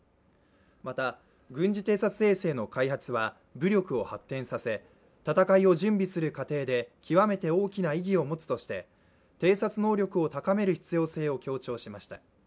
また軍事偵察衛星の開発は武力を発展させ戦いを準備する過程で極めて大きな意義を持つとして、偵察能力を高める必要性を強調しました。